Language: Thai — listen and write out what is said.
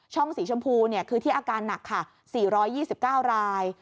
ช่องสีชมพูคือที่อาการหนัก๔๒๙ราย